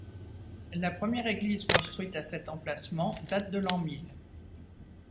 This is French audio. La première église construite à cet emplacement date de l'an mil.